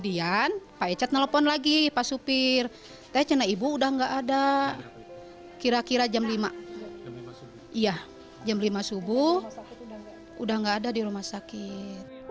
iya jam lima subuh udah gak ada di rumah sakit